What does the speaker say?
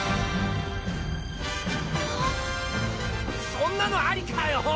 そんなのありかよ⁉